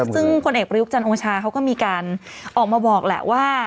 ซึ่งพลเอกประยุทธ์จันทร์โอชาเขาก็มีการออกมาบอกแหละว่า